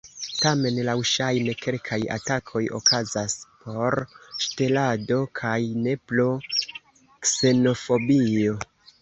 Tamen laŭŝajne kelkaj atakoj okazas por ŝtelado kaj ne pro ksenofobio.